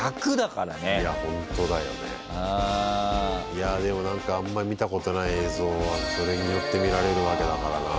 いやでも何かあんまり見たことない映像がそれによって見られるわけだからな。